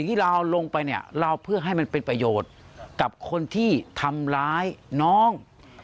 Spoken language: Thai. ที่เราเอาลงไปเนี่ยเราเพื่อให้มันเป็นประโยชน์กับคนที่ทำร้ายน้อง